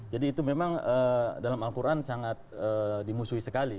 jadi itu memang dalam al quran sangat dimusuhi sekali